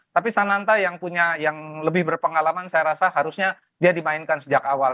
tapi sananta yang punya yang lebih berpengalaman saya rasa harusnya dia dimainkan sejak awal